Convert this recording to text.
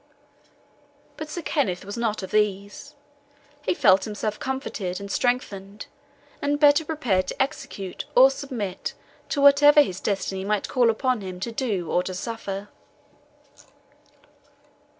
But Sir Kenneth was not of these. He felt himself comforted and strengthened, and better prepared to execute or submit to whatever his destiny might call upon him to do or to suffer.